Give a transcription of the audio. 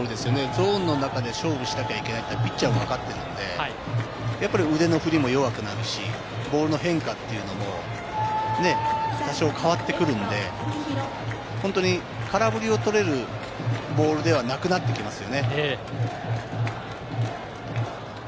ゾーンの中で勝負しなきゃいけないってピッチャーはわかってるので、やっぱり腕の振りも弱くなるし、ボールの変化というのも多少は変わってくるんで、本当に空振りを取れるボールではなくなってきますよね。